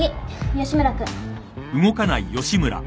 吉村君。